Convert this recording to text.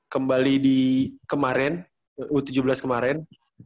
kembali di kemarin u tujuh belas kemarin